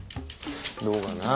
どうかな。